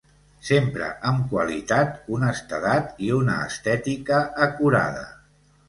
Sempre amb qualitat, honestedat i una estètica acurada.